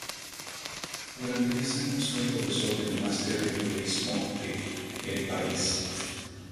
Durante diez años fue profesor del máster de periodismo de "El País".